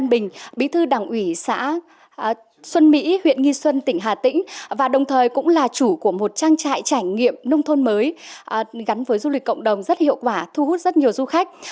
bình bí thư đảng ủy xã xuân mỹ huyện nghi xuân tỉnh hà tĩnh và đồng thời cũng là chủ của một trang trại trải nghiệm nông thôn mới gắn với du lịch cộng đồng rất hiệu quả thu hút rất nhiều du khách